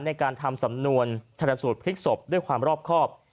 ในการทำสำนวนชนสูตรพลิกศพด้วยความรอบครอบ